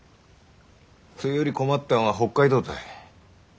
そいより困ったんは北海道たい。